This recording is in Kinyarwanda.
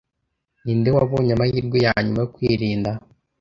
Ninde wabonye amahirwe yanyuma yo kwirinda